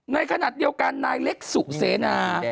ในขณะเดียวกันนายเล็กสุเสนา